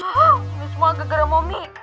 ini semua kegaraan mami